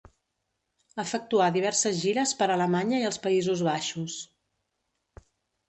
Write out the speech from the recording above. Efectuà diverses gires per Alemanya i els Països Baixos.